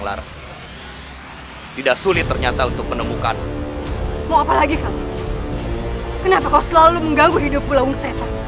akhirnya aku bisa membawamu kepada gusti prabu surawi sese